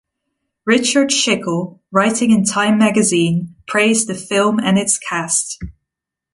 Richard Schickel, writing in "Time" magazine praised the film and its cast.